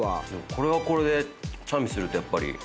これはこれでチャミスルとやっぱり。